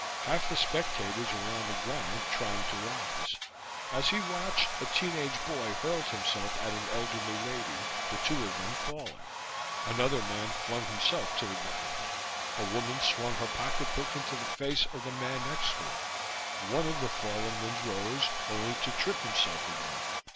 Half the spectators were on the ground, trying to rise. As he watched, a teen age boy hurled himself at an elderly lady, the two of them falling. Another man flung himself to the ground. A woman swung her pocketbook into the face of the man next to her. One of the fallen ones rose, only to trip himself again.